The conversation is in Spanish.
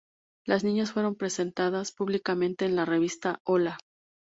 Las niñas fueron presentadas públicamente en la revista "¡Hola!